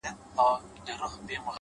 ځوان لگيا دی،